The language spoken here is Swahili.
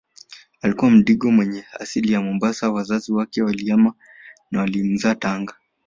Alikuwa mdigo mwenye asili ya Mombasa wazazi wake walihama na walimzaa Tanga